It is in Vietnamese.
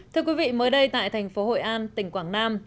thưa quý vị mới đây tại thành phố hội an tỉnh quảng nam